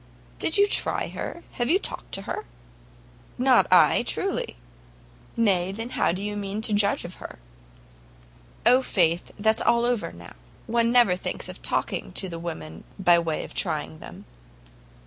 "Did you try her? Have you talked to her?" "Not I, truly!" "Nay, then how do you mean to judge of her?" "O, faith, that's all over, now; one never thinks of talking to the women by way of trying them."